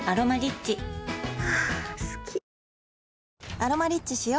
「アロマリッチ」しよ